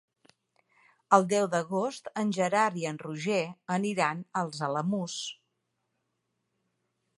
El deu d'agost en Gerard i en Roger aniran als Alamús.